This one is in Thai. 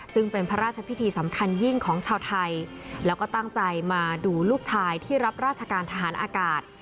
ซึ่งเป็นพระราชพิธีสำคัญยิ่งของชาวไทยแล้วก็ตั้งใจมาดูลูกชายที่รับราชการทหารอากาศ